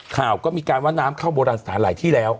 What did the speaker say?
ข่าวก็มีการว่าน้ำเข้าโบราณสถานหลายที่แล้ว